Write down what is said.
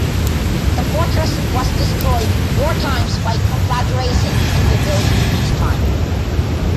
The fortress was destroyed four times by conflagration and rebuilt each time.